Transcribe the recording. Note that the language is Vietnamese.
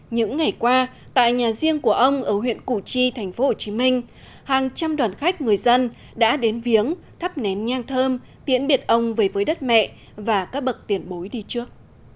những ngày qua tại nhà riêng của ông ở huyện củ chi tp hcm hàng trăm đoàn khách người dân đã đến viếng thắp nén nhang thơm tiễn biệt ông về với đất mẹ và các bậc tiền bối đi trước